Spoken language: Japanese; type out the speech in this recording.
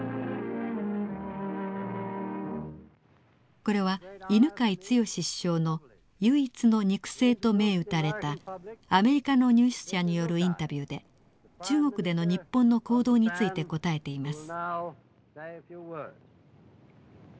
これは犬養毅首相の唯一の肉声と銘打たれたアメリカのニュース社によるインタビューで中国での日本の行動について答えています。